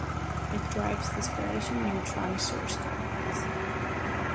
It drives the spallation neutron source complex.